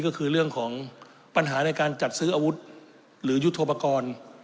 ก็คือเรื่องของปัญหาในการจัดซื้ออาวุธหรือยุทธโปรกรณ์